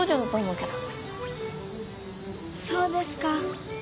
そうですか。